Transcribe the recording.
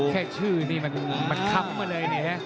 แค่ชื่อนี่มันคำเลย